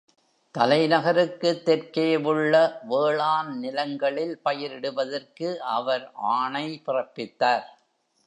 தலைநகருக்கு தெற்கேவுள்ள வேளாண் நிலங்களில் பயிரிடுவதற்கு அவர் ஆணை பிறப்பித்தார்.